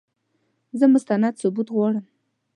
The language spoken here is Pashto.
زه مستند ثبوت غواړم !